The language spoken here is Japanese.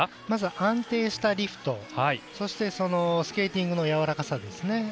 まず、安定したリフトそしてスケーティングのやわらかさですね。